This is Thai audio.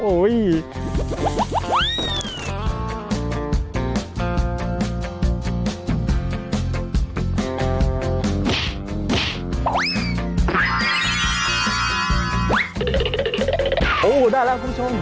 โอ้โหได้แล้วคุณผู้ชม